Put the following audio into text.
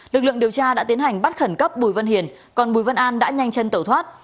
lực lượng điều tra đã tiến hành bắt khẩn cấp bùi vân hiền còn bùi văn an đã nhanh chân tẩu thoát